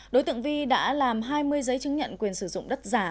đối tượng vi đã làm hai mươi giấy chứng nhận quyền sử dụng đất giả